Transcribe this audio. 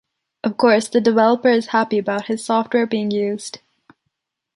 Of course the developer is happy about his software being used.